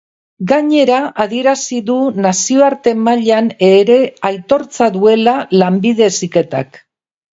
Gainera, adierazi du nazioarte mailan ere aitortza duela lanbide heziketak.